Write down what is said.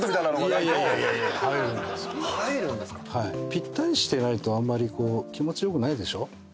ぴったりしてないとあんまりこう気持ち良くないでしょ。